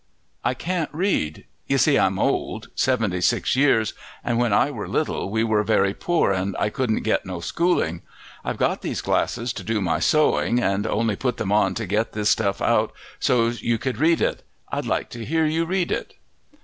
"I can't read. You see, I'm old seventy six years, and when I were little we were very poor and I couldn't get no schooling. I've got these glasses to do my sewing, and only put them on to get this stuff out so's you could read it. I'd like to hear you read it."